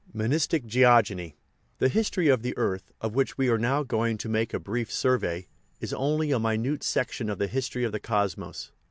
MONISTIC GEOGENY The history of the earth, of which we are now going to make a brief survey, is only a minute section of the history of the cosmos.